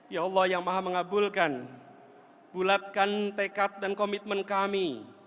ya allah yang maha mengabulkan bulatkan tekad dan komitmen kami